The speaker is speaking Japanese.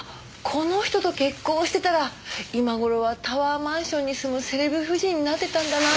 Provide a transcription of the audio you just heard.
この人と結婚をしてたら今頃はタワーマンションに住むセレブ夫人になってたんだな。